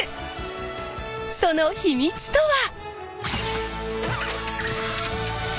その秘密とは！